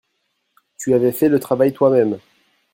Tu avais fait le travail toi-même.